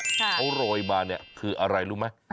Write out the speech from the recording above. เขาโรยมาคืออะไรรู้ไหม